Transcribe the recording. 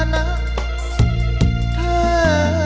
ไม่ใช้